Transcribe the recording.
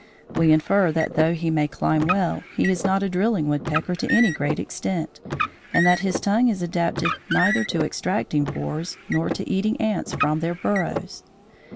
We infer that though he may climb well, he is not a drilling woodpecker to any great extent, and that his tongue is adapted neither to extracting borers nor to eating ants from their burrows.